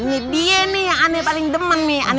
ini dia nih yang aneh paling demen nih